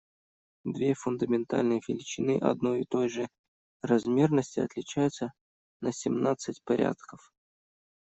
Две фундаментальные величины одной и той же размерности отличаются на семнадцать порядков.